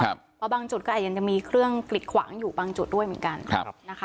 เพราะบางจุดก็อาจจะยังมีเครื่องกลิดขวางอยู่บางจุดด้วยเหมือนกันนะคะ